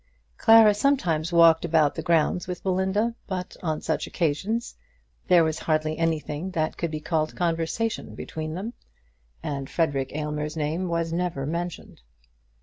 Clara sometimes walked about the grounds with Belinda, but on such occasions there was hardly anything that could be called conversation between them, and Frederic Aylmer's name was never mentioned.